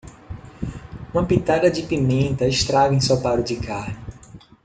Uma pitada de pimenta estraga ensopado de carne.